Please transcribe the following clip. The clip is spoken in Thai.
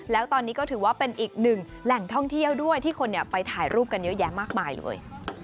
แล้วตอนนี้ก็ถือว่าเป็นอีกหนึ่งแหล่งท่องเที่ยวด้วยที่คนไปถ่ายรูปกันเยอะแยะมากมายเลย